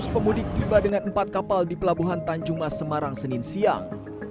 dua ratus pemudik tiba dengan empat kapal di pelabuhan tanjung mas semarang senin siang